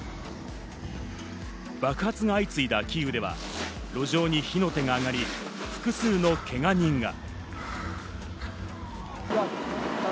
爆発が相次いだキーウでは路上に火の手が上がり、複数のけが人が。